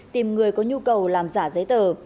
tìm người có nhu cầu làm giả giấy tờ